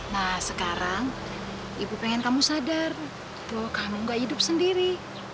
nah sekarang ibu pengen kamu sadar tuh kamu gak hidup sendiri